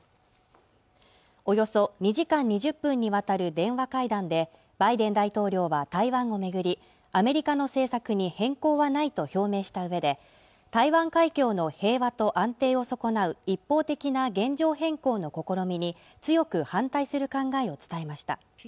およそ２時間２０分にわたる電話会談でバイデン大統領は台湾を巡りアメリカの政策に変更はないと表明したうえで台湾海峡の平和と安定を損なう一方的な現状変更の試みに強く反対する考えを伝えました